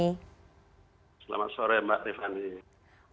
selamat sore mbak tiffany